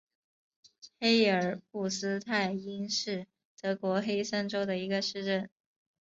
黑尔布斯泰因是德国黑森州的一个市镇。